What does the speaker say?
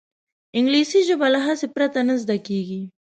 انګلیسي ژبه له هڅې پرته نه زده کېږي